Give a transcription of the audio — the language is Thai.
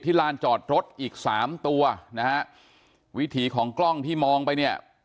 ลานจอดรถอีกสามตัวนะฮะวิถีของกล้องที่มองไปเนี่ย